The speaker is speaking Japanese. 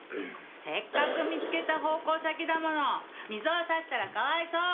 せっかく見つけた奉公先だもの水を差したらかわいそう！